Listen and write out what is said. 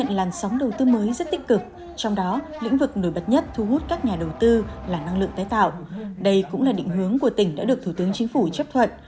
năng lượng tái tạo là năng lượng tái tạo đây cũng là định hướng của tỉnh đã được thủ tướng chính phủ chấp thuận